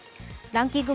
ランキング